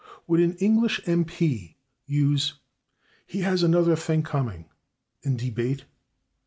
Would an English M. P. use "he has another /think/ coming" in debate?